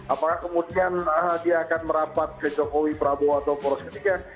apakah kemudian dia akan merapat ke jokowi prabowo atau poros ketiga